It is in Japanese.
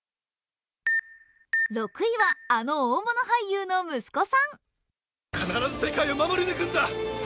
６位はあの大物俳優の息子さん。